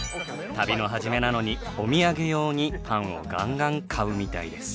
旅の始めなのにお土産用にパンをガンガン買うみたいです。